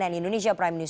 dan indonesia prime news